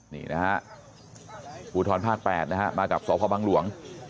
นี่นะฮะภูทรภาค๘นะฮะมากับสพบังหลวง